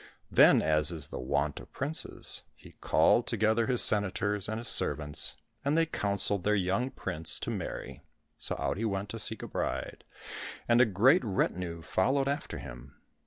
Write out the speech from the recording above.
Then, as is the wont of princes, he called together his senators and his servants, and they counselled their young prince to marry ; so out he went to seek a bride, and a great retinue followed after him.